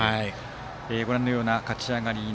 ご覧のような勝ち上がり。